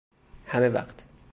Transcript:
همه وقت